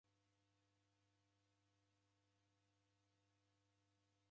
Wadabonya kazi ighana kwa ituku.